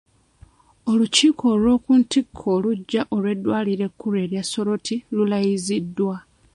Olukiiko olw'oku ntikko oluggya olw'eddwaliro ekkulu e Soroti lulayiziddwa.